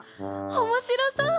おもしろそう！